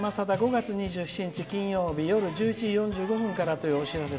５月２７日、金曜日午後１１時４５分からというお知らせ」。